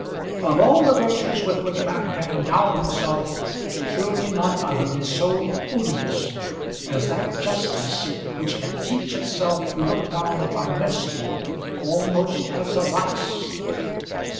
Of all the virtues with which man can endow himself surely none other is so odious as that justice which can teach itself to look down upon mercy almost as a vice!